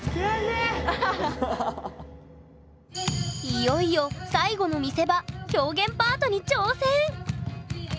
いよいよ最後の見せ場表現パートに挑戦！